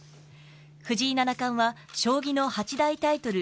藤井七冠は将棋の八大タイトル